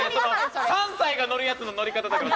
３歳が乗るやつの乗り方だから。